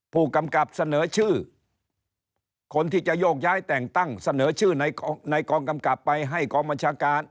ผู้กำกับเสนอชื่อคนที่จะโยกย้ายแต่งตั้งเสนอชื่อในกองกำกับไปให้กองบัญชาการ